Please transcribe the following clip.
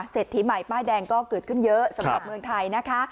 ถีใหม่ป้ายแดงก็เกิดขึ้นเยอะสำหรับเมืองไทยนะคะ